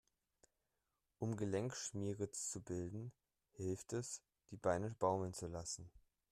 Um Gelenkschmiere zu bilden, hilft es, die Beine baumeln zu lassen.